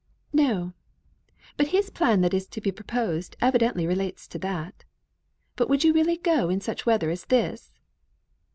"No! but his plan that is to be proposed evidently relates to that. But would you really go in such weather as this?"